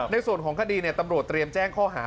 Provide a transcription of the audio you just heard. ในส่วนของคดีตำรวจเตรียมแจ้งข้อหา